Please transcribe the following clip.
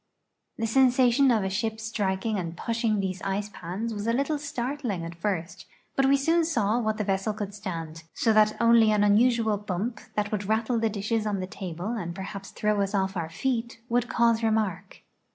The sensation of a ship striking and pushing these ice pans was a little startling at first, but we soon saw what the vessel could stand, so that only an unusual bump, that would rattle the dishes on the table and perhaps throw us off our feet, would cause remark.